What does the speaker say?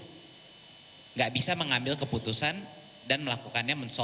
tidak bisa mengambil keputusan dan melakukannya